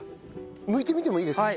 むいてみてもいいですか？